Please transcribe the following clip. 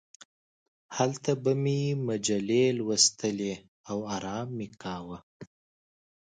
هلته به مې مجلې لوستلې او ارام مې کاوه.